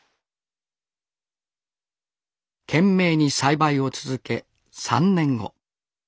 懸命に栽培を続け３年後。